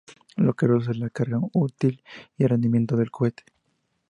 Lo que reduce la carga útil, y el rendimiento del cohete.